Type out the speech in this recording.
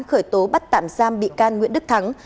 khởi tố bắt tạm giam bị can nguyễn đức thắng